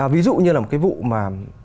ví dụ như là một cái vụ mà